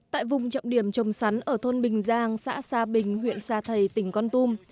tại vùng trọng điểm trồng sắn ở thôn bình giang xã sa bình huyện sa thầy tỉnh con tum